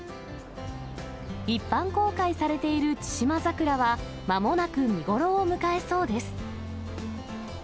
一般公開されている千島桜は、まもなく見頃を迎えそうです。